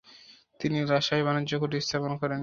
তিনি লাসায় বাণিজ্য কুঠি স্থাপন করেন।